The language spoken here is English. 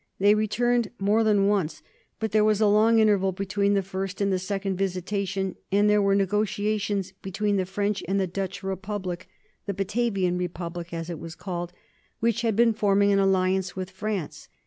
They returned more than once, but there was a long interval between the first and the second visitation, and there were negotiations between the French and the Dutch Republic the Batavian Republic, as it was called which had been forming an alliance with France.